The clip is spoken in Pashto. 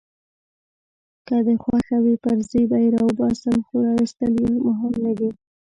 که دي خوښه وي پرزې به يې راوباسم، خو راایستل يې مهم نه دي.